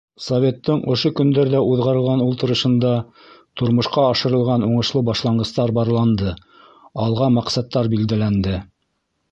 Советтың ошо көндәрҙә уҙғарылған ултырышында тормошҡа ашырылған уңышлы башланғыстар барланды, алға маҡсаттар билдәләнде.